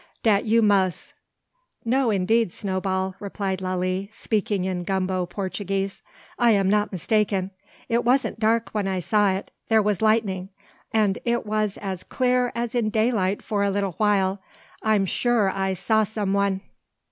dat you muss!" "No, indeed, Snowball!" replied Lalee, speaking in gumbo Portuguese, "I am not mistaken. It wasn't dark when I saw it. There was lightning; and it was as clear as in daylight for a little while. I'm sure I saw some one!"